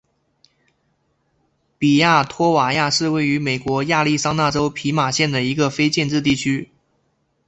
比亚托瓦亚是位于美国亚利桑那州皮马县的一个非建制地区。